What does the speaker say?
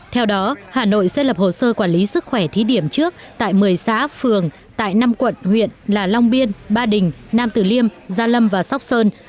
theo đó hà nội sẽ lập hồ sơ quản lý sức khỏe thí điểm trước tại một mươi xã phường tại năm quận huyện là long biên ba đình nam tử liêm gia lâm và sóc sơn